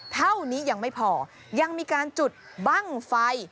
เท่านี้ยังไม่พอยังมีการจุดบ้างไฟ